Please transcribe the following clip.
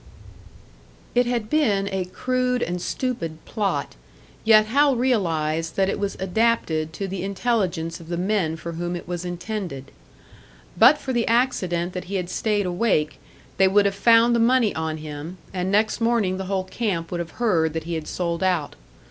It had been a crude and stupid plot, yet Hal realised that it was adapted to the intelligence of the men for whom it was intended. But for the accident that he had stayed awake, they would have found the money on him, and next morning the whole camp would have heard that he had sold out.